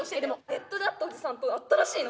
ネットで会ったおじさんと会ったらしいの。